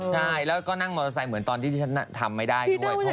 ใช่แล้วก็นั่งมอเตอร์ไซค์เหมือนตอนที่ที่ฉันทำไม่ได้ด้วย